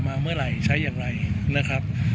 มาเมื่อไหร่ใช้อย่างไรนะครับ